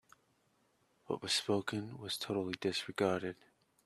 What was spoken was totally disregarded.